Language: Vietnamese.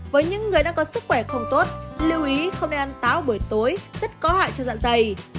với những người đang có sức khỏe không tốt lưu ý không nên ăn táo buổi tối rất có hại cho dạng dày